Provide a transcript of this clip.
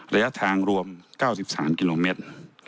ระยะทางรวม๙๓กิโลเมตร